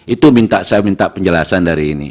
itu saya minta penjelasan dari ini